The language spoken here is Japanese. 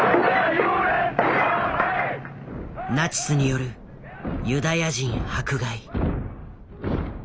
ナチスによるユダヤ人迫害。